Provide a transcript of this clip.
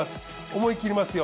思い切りますよ。